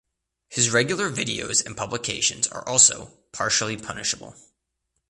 His regular videos and publications are also "partially punishable".